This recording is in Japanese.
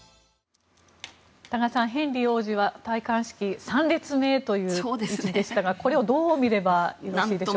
多賀さんヘンリー王子は戴冠式３列目ということでしたがこれをどう見ればよろしいですか。